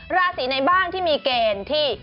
ราศีไหนบ้างที่มีเกณฑ์ที่